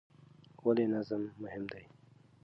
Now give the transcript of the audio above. ولې نظم مهم دی؟